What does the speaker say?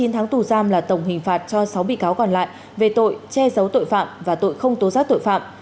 chín tháng tù giam là tổng hình phạt cho sáu bị cáo còn lại về tội che giấu tội phạm và tội không tố giác tội phạm